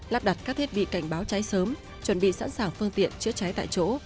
lắp đặt các thiết bị cảnh báo cháy sớm chuẩn bị sẵn sàng phương tiện chữa cháy tại chỗ